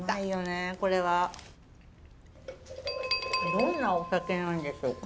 どんなお酒なんでしょうか？